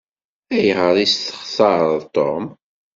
Ayɣer i testaxṛeḍ Tom?